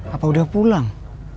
apa udah pulang